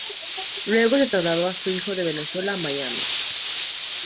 Luego se trasladó a su hijo de Venezuela a Miami.